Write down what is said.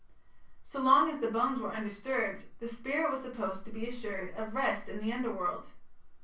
So long as the bones were undisturbed, the spirit was supposed to be assured of rest in the Underworld.